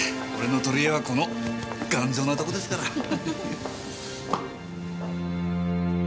俺の取り柄はこの頑丈なとこですから。